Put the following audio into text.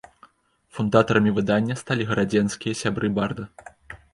Фундатарамі выдання сталі гарадзенскія сябры барда.